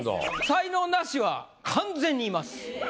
才能ナシは完全にいます。